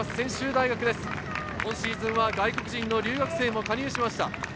今シーズンは外国人の留学生も加入しました。